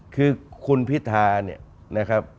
คือคุณพิธาเนี่ยนะครับ